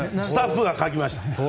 スタッフが書きました。